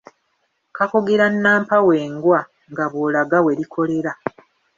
Kakugira nnampawengwa nga bw’olaga we likolera.